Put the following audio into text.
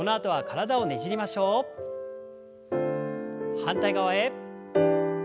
反対側へ。